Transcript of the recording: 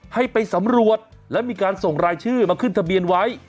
ให้ไปสำรวจและมีการส่งรายชื่อมาขึ้นทะเบียนไว้